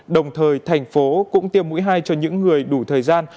đồng thời thành phố cũng tiêm mũi hai cho những người đủ thời gian